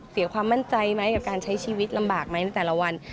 เสียความมั่นใจไหมกับการใช้ชีวิตลำบากไหมในแต่ละวัน